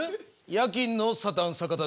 夜勤のサタン坂田だ。